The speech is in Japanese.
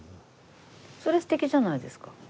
それ素敵じゃないですか。